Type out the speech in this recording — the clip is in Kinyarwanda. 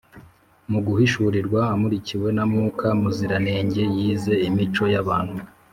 . Mu guhishurirwa amurikiwe na Mwuka Muziranenge, yize imico y’abantu,